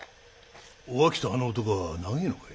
お秋とあの男は長いのかい？